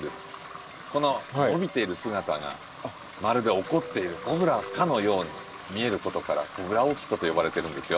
この伸びている姿がまるで怒っているコブラかのように見えることから“コブラオーキッド”と呼ばれてるんですよ。